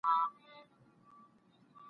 ګڼي خوږو خوږو يارانو بۀ مې خپه وهله